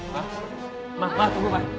ma ma tunggu ma